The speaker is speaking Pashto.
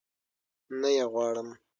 نه يي غواړم